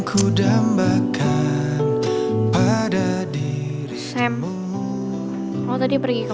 lupakan semua cinta kita